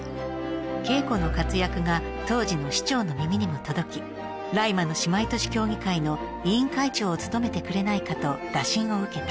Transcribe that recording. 桂子の活躍が当時の市長の耳にも届きライマの姉妹都市協議会の委員会長を務めてくれないかと打診を受けた